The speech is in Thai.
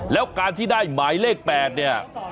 แล้วการที่ได้หมายเลข๘เนี่ย